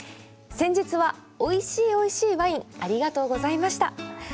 先日はおいしいおいしいワインありがとうございました。